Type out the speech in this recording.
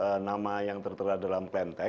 penggalian untuk nama yang tertera dalam plantec